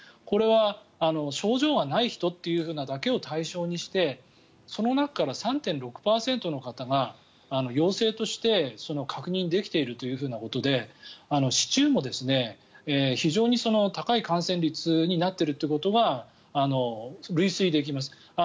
これは症状がない人というだけを対象にしてその中から３．６％の方が陽性として確認できているということで市中も非常に高い感染率になっているということが類推できます。